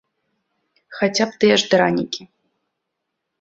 Хаця б тыя ж дранікі.